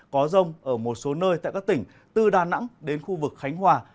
có rông ở một số nơi tại các tỉnh từ đà nẵng đến khu vực khánh hòa